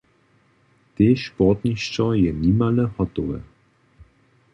Tež sportnišćo je nimale hotowe.